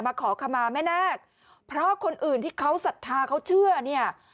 ขอขมาแม่นาคเพราะคนอื่นที่เขาศรัทธาเขาเชื่อเนี่ย